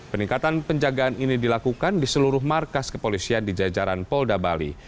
peningkatan penjagaan ini dilakukan di seluruh markas kepolisian di jajaran polda bali